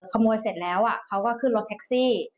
เสร็จแล้วเขาก็ขึ้นรถแท็กซี่